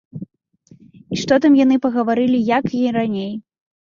І што там яны пагаварылі, як і раней!